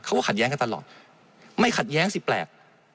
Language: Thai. เขาก็ขัดแย้งกันตลอดไม่ขัดแย้งสิแปลก